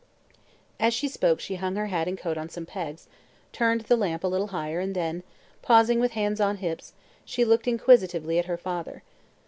As she spoke she hung her hat and coat on some pegs, turned the lamp a little higher and then, pausing with hands on hips, she looked inquisitively at her father.